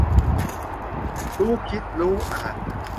รู้คิดรู้อ่าน